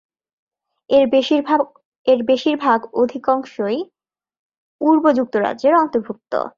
এর বেশিরভাগ অংশই পূর্ব যুক্তরাজ্যের অন্তর্ভুক্ত।